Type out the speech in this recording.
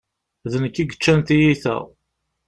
D nekk i yeččan tiyita.